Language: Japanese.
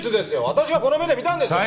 私がこの目で見たんです！